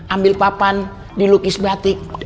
ambil papan dilukis batik